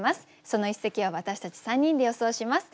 その一席を私たち３人で予想します。